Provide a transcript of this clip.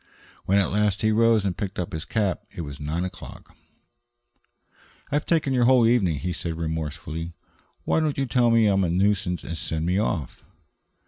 When, at last, he rose and picked up his cap; it was nine o'clock. "I've taken your whole evening," he said remorsefully. "Why don't you tell me I am a nuisance and send me off?"